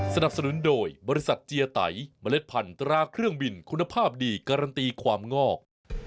สนับสนุนโดยบริษัทเจียไตเมล็ดพันธราเครื่องบินคุณภาพดีการันตีความงอก